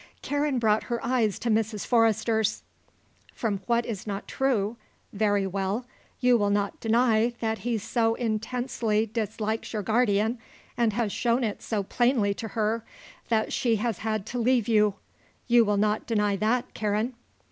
Karen brought her eyes to Mrs. Forrester's. "From what is not true. Very well. You will not deny that he so intensely dislikes your guardian and has shown it so plainly to her that she has had to leave you. You will not deny that, Karen?"